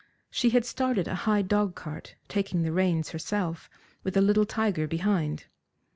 She had started a high dogcart, taking the reins herself, with a little tiger behind.